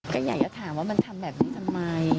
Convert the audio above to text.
ก็อยากจะถามว่ามันทำแบบนี้ทำไม